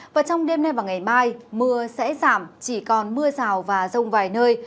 và trong đêm nay và ngày mai mưa sẽ giảm chỉ còn mưa rào và rông vài nơi